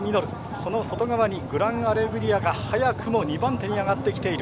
その外側にグランアレグリアが早くも２番手に上がってきている。